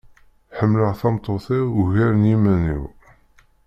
Ḥemleɣ tameṭṭut-iw ugar n yiman-iw.